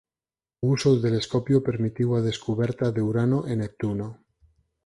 O uso do telescopio permitiu a descuberta de Urano e Neptuno.